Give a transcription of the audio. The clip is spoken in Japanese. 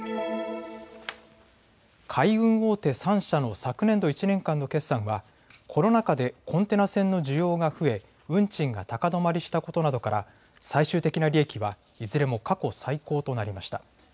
海運大手３社の昨年度１年間の決算はコロナ禍でコンテナ船の需要が増え、運賃が高止まりしたことなどから最終的な利益はいずれも過去最高となりました。